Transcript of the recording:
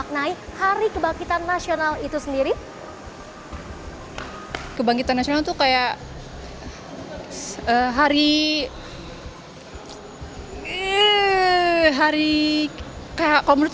kebangkitan nasional itu sendiri kebangkitan nasional itu kayak hari hari kayak kalau menurut